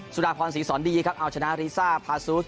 สุดาพรศรีสอนดีครับเอาชนะรีซ่าพาซูส